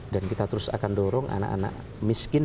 dan kita terus akan dorong anak anak miskin